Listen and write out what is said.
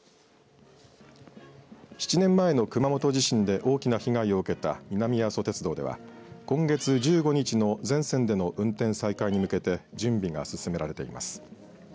７年前の熊本地震で大きな被害を受けた南阿蘇鉄道では今月１５日の全線での運転再開に向けて準備が進められています。